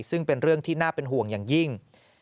ซึ่งเป็นเรื่องที่น่าเป็นห่วงอย่างยิ่ง